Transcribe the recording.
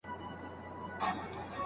د ژوند حق د الله تحفه ده.